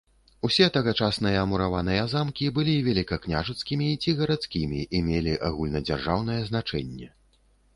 Усе тагачасныя мураваныя замкі былі велікакняжацкімі ці гарадскімі і мелі агульнадзяржаўнае значэнне.